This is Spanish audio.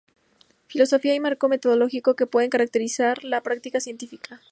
Filosofía y marco metodológico que puede caracterizar la práctica científica.